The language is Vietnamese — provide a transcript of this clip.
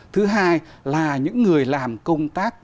thứ hai là những người làm công tác